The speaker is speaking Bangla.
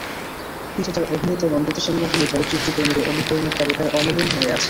কিন্তু তাঁর অভিনীত নন্দিত সিনেমাগুলো চলচ্চিত্রপ্রেমীদের অনুপ্রেরণার তালিকায় অমলিন হয়ে আছে।